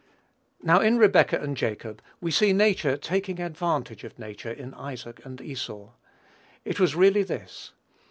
Now, in Rebekah and Jacob, we see nature taking advantage of nature in Isaac and Esau. It was really this.